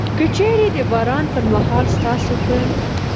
که چيري د باران پر مهال ستاسو په